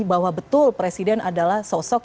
bahwa betul presiden adalah sosok